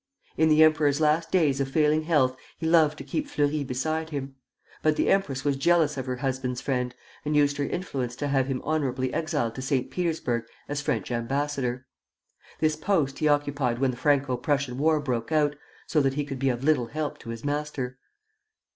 In the emperor's last days of failing health he loved to keep Fleury beside him; but the empress was jealous of her husband's friend, and used her influence to have him honorably exiled to St. Petersburg as French ambassador. This post he occupied when the Franco Prussian war broke out, so that he could be of little help to his master.